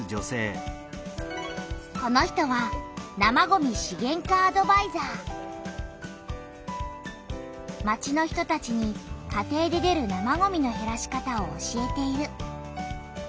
この人は町の人たちに家庭で出る生ごみのへらし方を教えている。